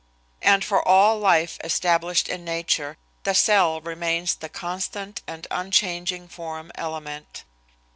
And for all life established in nature the cell remains the constant and unchanging form element.